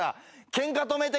「ケンカ止めて。